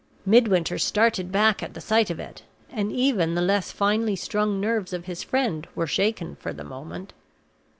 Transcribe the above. Midwinter started back at the sight of it, and even the less finely strung nerves of his friend were shaken for the moment.